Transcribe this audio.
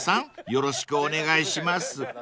よろしくお願いします］